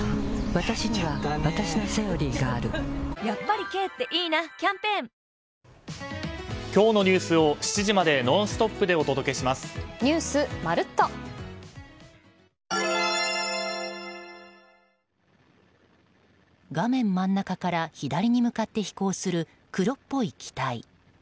わたしにはわたしの「セオリー」があるやっぱり軽っていいなキャンペーン画面真ん中から左に向かって飛行する黒っぽい機体。